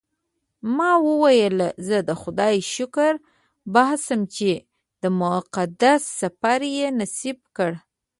ما وویل زه د خدای شکر باسم چې دا مقدس سفر یې نصیب کړ.